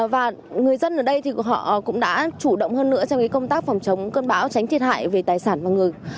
và người dân ở đây thì họ cũng đã chủ động hơn nữa trong công tác phòng chống cơn bão tránh thiệt hại về tài sản và người